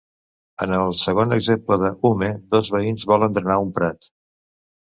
En el segon exemple de Hume dos veïns volen drenar un prat.